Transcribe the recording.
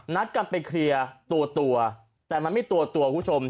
นัดกันไปเคลียร์ตัวแต่มันไม่ตัวตัวคุณผู้ชม